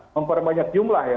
memperbanyak jumlah ya